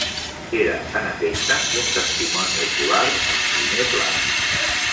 Era en efecte un testimoni ocular en primer pla.